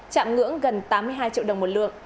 chạm ngưỡng gần tám mươi hai triệu đồng một lượng